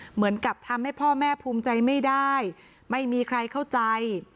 เหมือนกับทำให้พ่อแม่ภูมิใจไม่ได้ไม่มีใครเข้าใจ